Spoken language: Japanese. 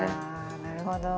なるほど。